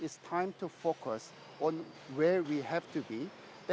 saatnya fokus pada tempat yang harus kita berada